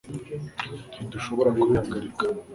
ntidushobora kubihagarika